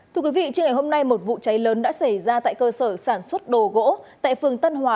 trên ngày hôm nay một vụ cháy lớn đã xảy ra tại cơ sở sản xuất đồ gỗ tại phường tân hòa